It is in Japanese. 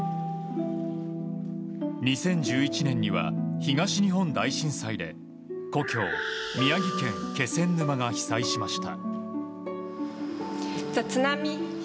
２０１１年には東日本大震災で故郷・宮城県気仙沼が被災しました。